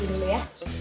kalau same as alex